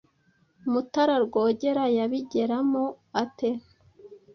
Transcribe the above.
Mutara Rwogera yabigeramo ate.